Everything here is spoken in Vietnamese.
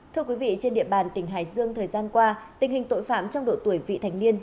thưa quý vị trên địa bàn tỉnh hải dương thời gian qua tình hình tội phạm trong độ tuổi vị thành niên